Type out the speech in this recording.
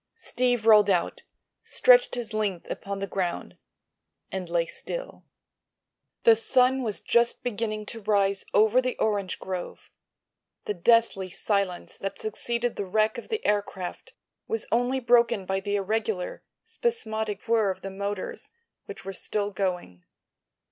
Steve rolled out, stretched his length upon the ground, and lay still. [Illustration: ORISSA STOOD WITH HANDS CLASPED.] The sun was just beginning to rise over the orange grove. The deathly silence that succeeded the wreck of the aircraft was only broken by the irregular, spasmodic whirr of the motors, which were still going.